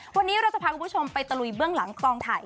วันนี้เราจะพาคุณผู้ชมไปตะลุยเบื้องหลังกองถ่าย